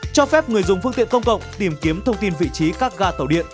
cho phép người dùng phương tiện công cộng tìm kiếm thông tin vị trí các ga tàu điện